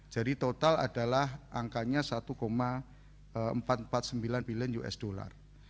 jadi total adalah angkanya rp satu empat ratus empat puluh sembilan bilion